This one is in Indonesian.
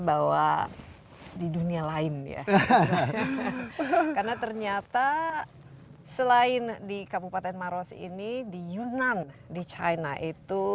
bahwa di dunia lain ya karena ternyata selain di kabupaten maros ini di yunan di china itu